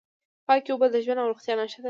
پاکې اوبه د ژوند او روغتیا نښه ده.